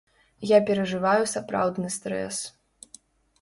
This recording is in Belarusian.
Я перажываю сапраўдны стрэс.